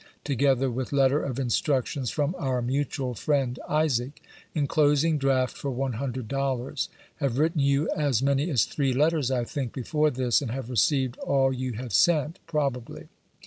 together with letter of instructions from our mutual friend Isaac, enclosing draft for $100. Have written you aa many as three letters, I think, before this, and have received all yatx have sent, probably.